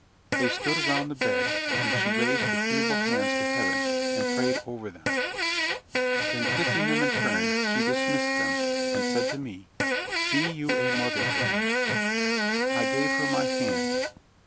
They stood around the bed; and she raised her feeble hands to heaven, and prayed over them; then, kissing them in turn, she dismissed them, and said to me, 'Be you a mother to them.' I gave her my hand.